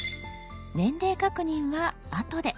年齢確認は「あとで」。